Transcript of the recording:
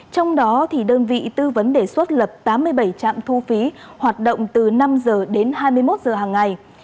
trong đó đơn vị tư vấn đề xuất lập tám mươi bảy trạm thu phí hoạt động từ năm h đến hai mươi một giờ hàng ngày